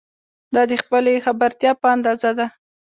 دا د خپلې خبرتیا په اندازه ده.